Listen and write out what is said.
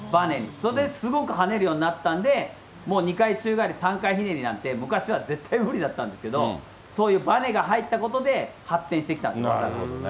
それですごく跳ねるようになったんで、もう２回宙返り３回ひねりなんて、昔は絶対無理だったんですけど、そういうばねが入ったことで、発展してきたんですね。